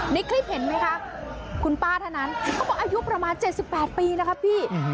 ในคลิปเห็นไหมคะคุณป้าท่านนั้นเขาบอกอายุประมาณ๗๘ปีแล้วครับพี่